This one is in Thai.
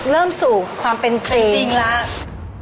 เริ่มสู่ความเป็นจริง